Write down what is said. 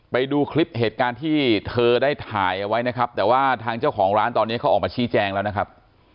ไปดูคลิปเหตุการณ์ที่เธอได้ถ่ายเอาไว้นะครับแต่ว่าทางเจ้าของร้านตอนนี้เขาออกมาชี้แจงแล้วนะครับ